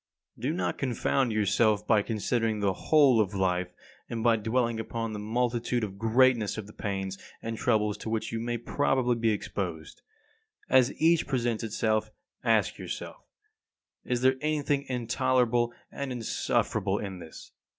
36. Do not confound yourself by considering the whole of life, and by dwelling upon the multitude and greatness of the pains and troubles to which you may probably be exposed. As each presents itself ask yourself: Is there anything intolerable and insufferable in this?